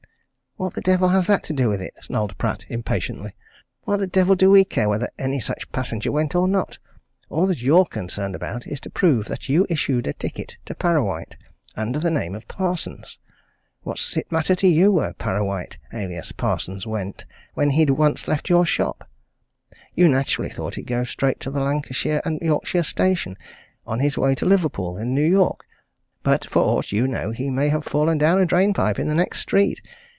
"What the devil has that to do with it?" snarled Pratt impatiently. "What the devil do we care whether any such passenger went or not? All that you're concerned about is to prove that you issued a ticket to Parrawhite, under the name of Parsons. What's it matter to you where Parrawhite, alias Parsons, went, when he'd once left your shop? You naturally thought he'd go straight to the Lancashire and Yorkshire Station, on his way to Liverpool and New York! But, for aught you know, he may have fallen down a drain pipe in the next street!